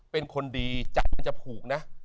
เป็นคนดีใจมันจะผูกนะ